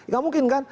gak mungkin kan